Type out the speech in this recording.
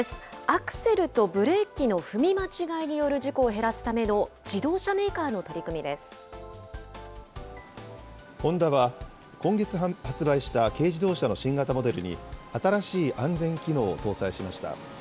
アクセルとブレーキの踏み間違いによる事故を減らすための自動車ホンダは、今月発売した軽自動車の新型モデルに、新しい安全機能を搭載しました。